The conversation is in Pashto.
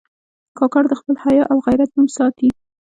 کاکړ د خپل حیا او غیرت نوم ساتي.